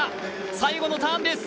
最後のターンです。